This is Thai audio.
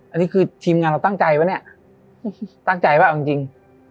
อันนี้คือทีมงานเราตั้งใจปะเนี่ยตั้งใจว่าเอาจริง